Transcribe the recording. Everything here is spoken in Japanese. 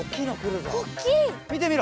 みてみろ。